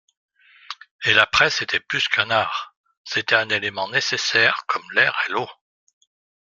Et la Presse était plus qu'un art : c'était un élément nécessaire, comme l'air et l'eau.